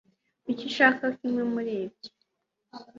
kuki ushaka kimwe muri ibyo